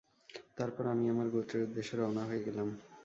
তারপর আমি আমার গোত্রের উদ্দেশ্যে রওনা হয়ে গেলাম।